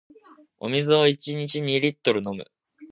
お水を一日二リットル飲む